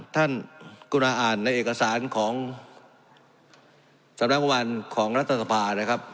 กุณาอ่านในเอกสารของสำนักประมาณของรัฐสภานะครับ